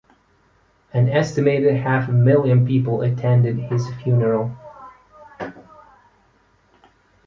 An estimated half a million people attended his funeral.